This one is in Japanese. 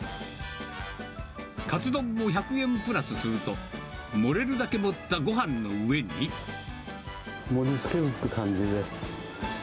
カツ丼も１００円プラスすると、盛りつけるという感じで。